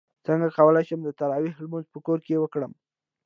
څنګه کولی شم د تراویحو لمونځ په کور کې وکړم